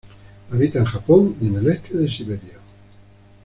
Habita en Japón y en el este de Siberia.